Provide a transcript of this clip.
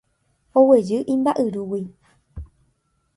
Oguejy imba'yrúgui